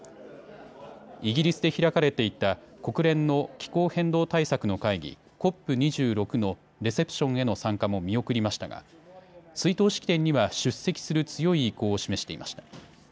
イギリスで開かれていた国連の気候変動対策の会議、ＣＯＰ２６のレセプションへの参加も見送りましたが追悼式典には出席する強い意向を示していました。